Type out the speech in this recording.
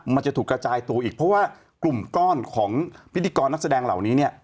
มันจะถูกกระจายตัวอีกเพราะว่ากลุ่มก้อนของพิธีกรนักแสดงเหล่านี้เนี่ย